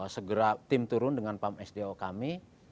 segera tim turun dengan pam sdo kami